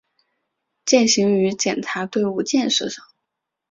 践行于检察队伍建设上